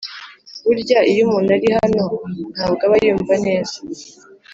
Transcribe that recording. burya iyo umuntu ari hano ntabwo aba yumva neza !!"